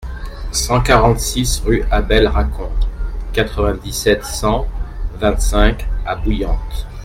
cent quarante-six rue Abel Racon, quatre-vingt-dix-sept, cent vingt-cinq à Bouillante